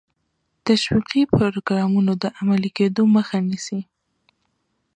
تشویقي پروګرامونو د عملي کېدو مخه نیسي.